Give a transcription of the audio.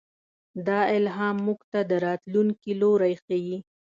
دا الهام موږ ته د راتلونکي لوری ښيي.